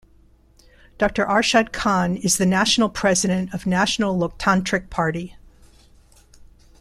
Doctor Arshad Khan is the National President of National Loktantrik Party.